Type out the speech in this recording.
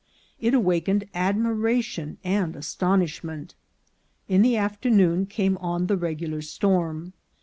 It awakened admira tion and astonishment. In the afternoon came on the regular storm.